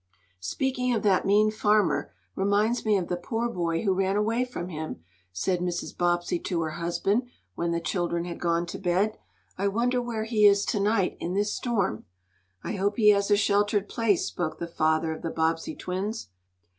"Speaking of that mean farmer reminds me of the poor boy who ran away from him," said Mrs. Bobbsey to her husband, when the children had gone to bed. "I wonder where he is to night, in this storm?" "I hope he has a sheltered place," spoke the father of the Bobbsey twins.